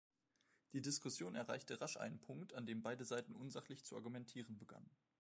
Die Diskussion erreichte rasch einen Punkt, an dem beide Seiten unsachlich zu argumentieren begannen.